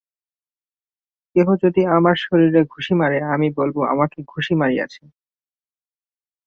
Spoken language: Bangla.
কেহ যদি আমার শরীরে ঘুষি মারে, আমি বলিব আমাকে ঘুষি মারিয়াছে।